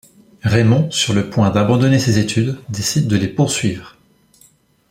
Raymond, sur le point d'abandonner ses études, décide de les poursuivre.